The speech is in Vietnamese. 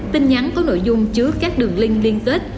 tin nhắn có nội dung chứa các đường link liên kết